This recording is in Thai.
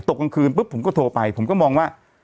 ตกกลางคืนผมก็โทรไปผมก็มองว่า